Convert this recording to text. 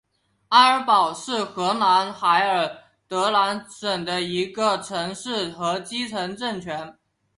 埃尔堡是荷兰海尔德兰省的一个城市和基层政权。